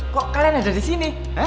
kok kalian ada disini